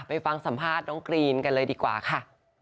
ไปฟังสัมภาษณ์น้องกรีนกันเลยดีกว่าค่ะ